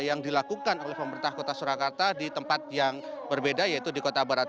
yang dilakukan oleh pemerintah kota surakarta di tempat yang berbeda yaitu di kota barat